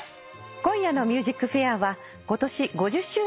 今夜の『ＭＵＳＩＣＦＡＩＲ』は今年。